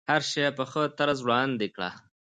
هر شی په ښه طرز وړاندې کړه.